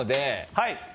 はい。